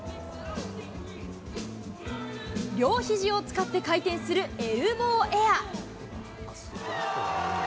両ひじを使って回転するエルボーエアー。